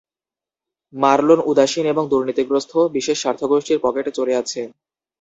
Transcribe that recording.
Marlon উদাসীন এবং দুর্নীতিগ্রস্ত, বিশেষ স্বার্থগোষ্ঠীর পকেটে চড়ে আছে।